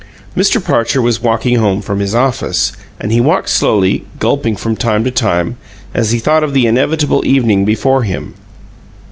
Mr. Parcher was walking home from his office, and he walked slowly, gulping from time to time, as he thought of the inevitable evening before him.